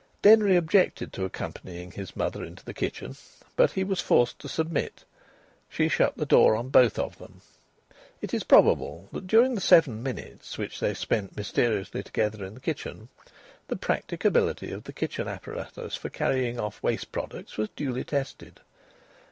Denry objected to accompanying his mother into the kitchen. But he was forced to submit. She shut the door on both of them. It is probable that during the seven minutes which they spent mysteriously together in the kitchen, the practicability of the kitchen apparatus for carrying off waste products was duly tested.